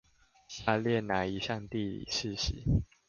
下列那一項地理事實